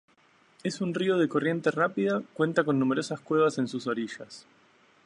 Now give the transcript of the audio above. Es un río de corriente rápida, cuenta con numerosas cuevas en sus orillas.